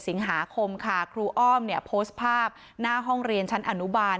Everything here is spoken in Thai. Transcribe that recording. สิงหาคมค่ะครูอ้อมเนี่ยโพสต์ภาพหน้าห้องเรียนชั้นอนุบาล